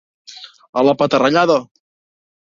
A la petarrellada.